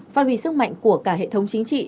phát huy sức mạnh của cả hệ thống chính trị